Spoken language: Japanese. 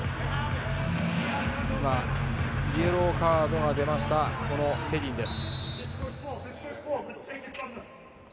イエローカードが出ましたペリンです。